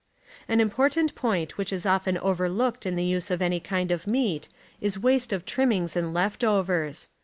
An important point which is often overlooked in the use of any kind of meat is waste of trimmings and left overs.